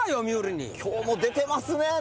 今日も出てますね